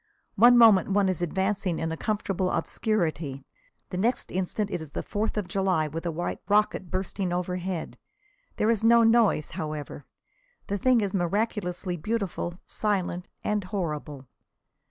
One moment one is advancing in a comfortable obscurity. The next instant it is the Fourth of July, with a white rocket bursting overhead. There is no noise, however. The thing is miraculously beautiful, silent and horrible.